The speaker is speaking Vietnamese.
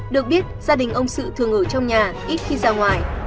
được biết gia đình ông sự thường ở trong nhà ít khi ra ngoài